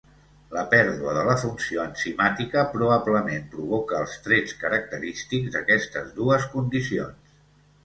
La pèrdua de la funció enzimàtica probablement provoca els trets característics d'aquestes dues condicions.